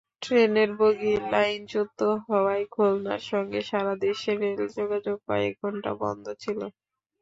ট্রেনের বগি লাইনচ্যুত হওয়ায় খুলনার সঙ্গে সারা দেশের রেলযোগাযোগ কয়েক ঘণ্টা বন্ধ ছিল।